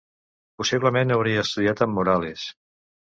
Possiblement hauria estudiat amb Morales.